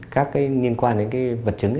các cái liên quan đến cái vật chứng